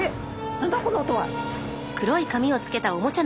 何だこの音は？